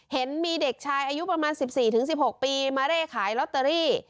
เห็นมีเด็กชายอายุประมาณ๑๔๑๖ปีมาเร่ขายลอตเตอรี่